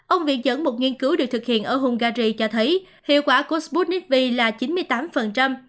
ông viện dẫn một nghiên cứu được thực hiện ở hungary cho thấy hiệu quả của sputnik v là chín mươi tám